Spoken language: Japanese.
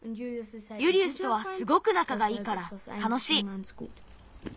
ユリウスとはすごくなかがいいからたのしい。